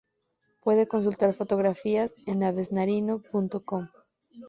Puede consultar fotografías en avesnarino.com